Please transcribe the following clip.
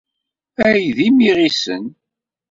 Ay d imiɣisen!